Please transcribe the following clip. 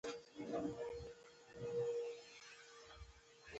آیا د کاناډا بازو په فضا کې مشهور نه دی؟